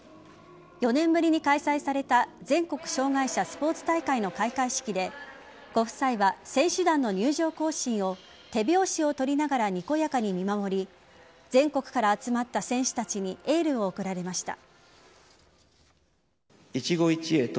４年ぶりに開催された全国障害者スポーツ大会の開会式でご夫妻は選手団の入場行進を手拍子を取りながらにこやかに見守り全国から集まった選手たちにエールを送られました。